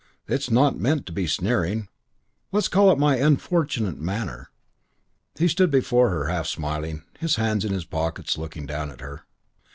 "It's not meant to be sneering. Let's call it my unfortunate manner." He stood before her, half smiling, his hands in his pockets, looking down at her.